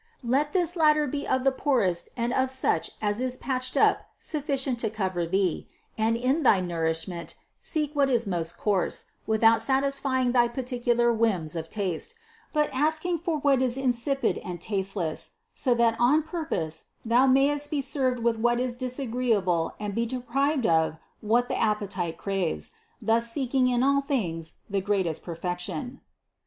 Let this latter be of the poorest and of such as is patched up sufficient to cover thee, and in thy nourishment seek what is most coarse, without satisfying thy particular whims of taste, but asking for what is in sipid and tasteless, so that on purpose thou mayst be served with what is disagreeable and be deprived of what the appetite craves, thus seeking in all things the greatest perfection.